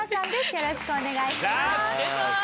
よろしくお願いします。